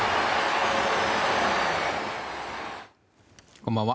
こんばんは。